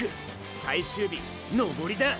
最終日登りだ。